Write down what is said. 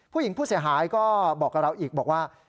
ผู้เสียหายก็บอกกับเราอีกบอกว่า